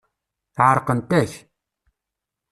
Ɛerqent-ak.